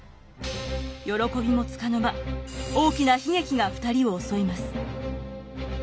喜びもつかの間大きな悲劇が２人を襲います。